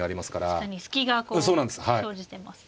確かに隙がこう生じてますね。